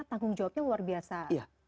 tanggung jawabnya luar biasa